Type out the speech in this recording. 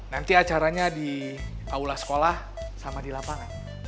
nanti acaranya di aula sekolah sama di lapangan